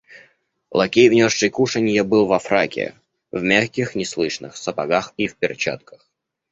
Лакей, внесший кушанье, был во фраке, в мягких неслышных сапогах и в перчатках.